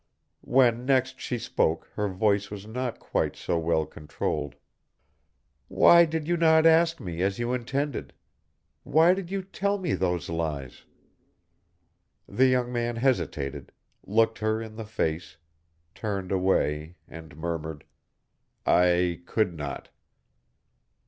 When next she spoke her voice was not quite so well controlled. "Why did you not ask me, as you intended? Why did you tell me these lies?" The young man hesitated, looked her in the face, turned away, and murmured, "I could not."